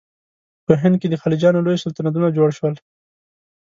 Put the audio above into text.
په هند کې د خلجیانو لوی سلطنتونه جوړ شول.